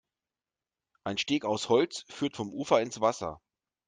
Ein Steg aus Holz führt vom Ufer ins Wasser.